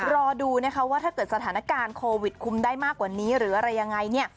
รอดูนะคะว่าถ้าเกิดสถานการณ์โควิดคุมได้มากกว่านี้หรืออะไรยังไงเนี่ย